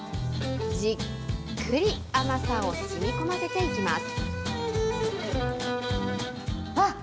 じっくり甘さをしみこませていきます。